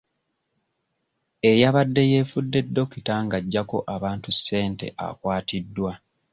Eyabadde yeefudde dokita ng'aggyako abantu ssente akwatiddwa.